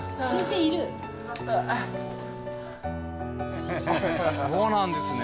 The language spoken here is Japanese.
・いますそうなんですね